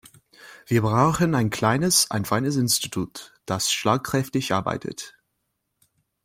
Wir brauchen ein kleines, ein feines Institut, das schlagkräftig arbeitet.